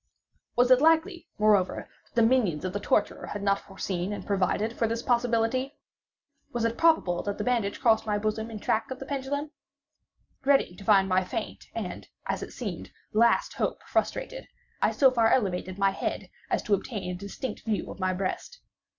Was it likely, moreover, that the minions of the torturer had not foreseen and provided for this possibility? Was it probable that the bandage crossed my bosom in the track of the pendulum? Dreading to find my faint, and, as it seemed, my last hope frustrated, I so far elevated my head as to obtain a distinct view of my breast.